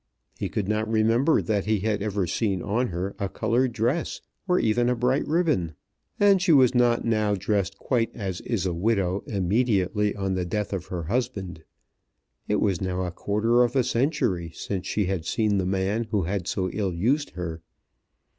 He could not remember that he had ever seen on her a coloured dress, or even a bright ribbon. And she was not now dressed quite as is a widow immediately on the death of her husband. It was now a quarter of a century since she had seen the man who had so ill used her.